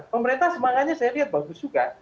pemerintah semangatnya saya lihat bagus juga